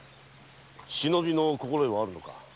忍びの心得はあるのか？